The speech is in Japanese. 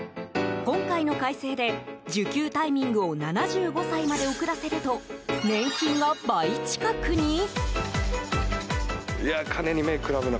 今回の改正で受給タイミングを７５歳まで遅らせると年金が倍近くに？